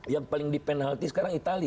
yang paling di penalti sekarang itali